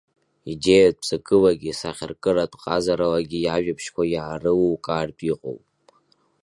Идеиатә ҵакылагьы, сахьаркыратә ҟазаралагьы иажәабжьқәа иаарылукаартә иҟоуп…